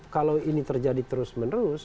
kalau ini terjadi terus menerus